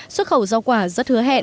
xuất khẩu giao quả rất hứa hẹn